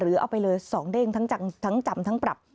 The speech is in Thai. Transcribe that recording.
เอาไปเลย๒เด้งทั้งจำทั้งปรับ